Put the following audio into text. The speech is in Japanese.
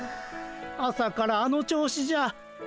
朝からあの調子じゃ。